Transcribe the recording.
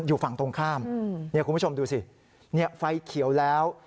อยู่ฝั่งตรงข้ามเนี่ยคุณผู้ชมดูสิไฟเขียวแล้ว